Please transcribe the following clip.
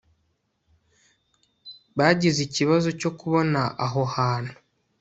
bagize ikibazo cyo kubona aho hantu